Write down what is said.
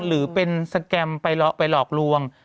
หรือเป็นสแกรมไปหลอกลวง